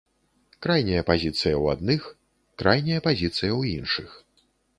Крайняя пазіцыя ў адных, крайняя пазіцыя ў іншых.